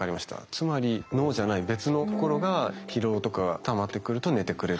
つまり脳じゃない別のところが疲労とかがたまってくると「寝てくれ」と。